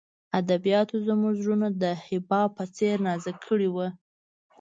ادبیاتو زموږ زړونه د حباب په څېر نازک کړي وو